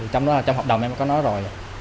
trong đó là trong hợp đồng em có nói rồi